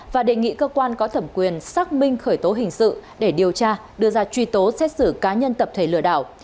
và đề nghị cơ quan có thẩm quyền xác minh khởi tố hình sự để điều tra đưa ra truy tố xét xử cá nhân tập thể lừa đảo